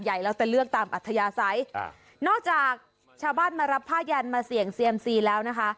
หน้าจากชาวบ้านมารับภาจแยรนดิ์มาเสี่ยงเคยมซีแล้วนะคะ